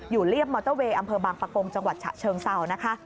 เรียบมอเตอร์เวย์อำเภอบางปะกงจังหวัดฉะเชิงเซานะคะ